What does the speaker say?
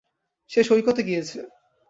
সে সৈকতে গিয়েছে।